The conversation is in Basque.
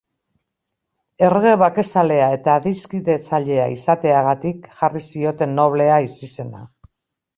Errege bakezalea eta adiskidetzailea izateagatik jarri zioten Noblea ezizena.